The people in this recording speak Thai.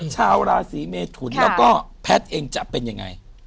ชาวราศีเมทุนแล้วก็แพทย์เองจะเป็นยังไง